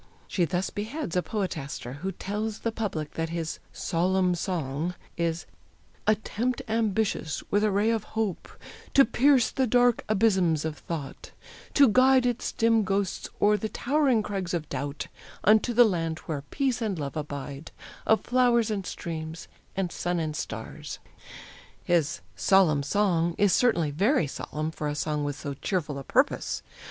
She thus beheads a poetaster who tells the public that his "solemn song" is "Attempt ambitious, with a ray of hope To pierce the dark abysms of thought, to guide Its dim ghosts o'er the towering crags of Doubt Unto the land where Peace and Love abide, Of flowers and streams, and sun and stars." "His 'solemn song' is certainly very solemn for a song with so cheerful a purpose.